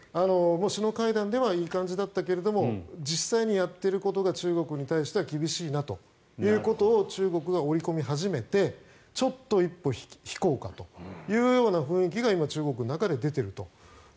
首脳会談ではいい感じだったけど実際にやっていることが中国に対しては厳しいなということを中国が追い込み始めてちょっと一歩引こうかという雰囲気が今、中国の中で出ていると。